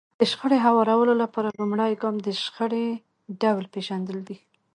د شخړې هوارولو لپاره لومړی ګام د شخړې ډول پېژندل دي.